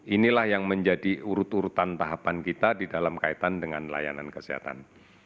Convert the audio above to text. inilah yang menjadi urut urutan tahapan kita di dalam kaitan dengan layanan kesehatan